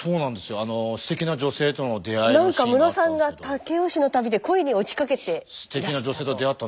あのなんかムロさんが武雄市の旅で恋に落ちかけていらしたと。